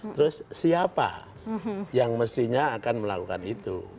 terus siapa yang mestinya akan melakukan itu